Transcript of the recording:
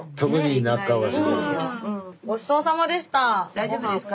大丈夫ですか？